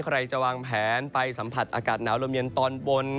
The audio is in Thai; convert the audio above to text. ใครจะวางแผนไปสัมผัสอากาศหนาวลมเย็นตอนบน